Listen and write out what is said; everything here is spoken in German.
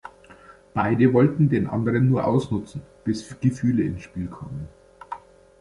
Beide wollten den anderen nur ausnutzen, bis Gefühle ins Spiel kamen.